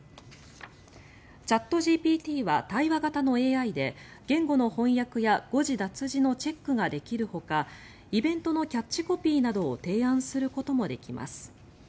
チャットＧＰＴは対話型のＡＩで言語の翻訳や誤字脱字のチェックができるほかイベントのキャッチコピーなどを提案することもできます。